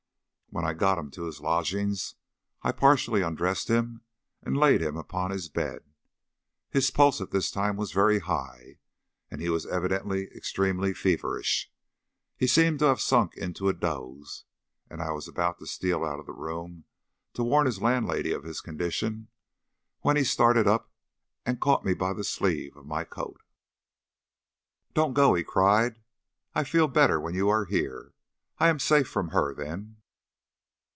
When I got him to his lodgings I partially undressed him and laid him upon his bed. His pulse at this time was very high, and he was evidently extremely feverish. He seemed to have sunk into a doze; and I was about to steal out of the room to warn his landlady of his condition, when he started up and caught me by the sleeve of my coat. "Don't go!" he cried. "I feel better when you are here. I am safe from her then."